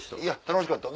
楽しかった。